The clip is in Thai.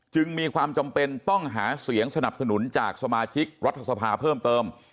จึงมีความจำเป็นต้องหาเสียงสนับสนุนจากสมาชิกรัฐสภาเพิ่มเติม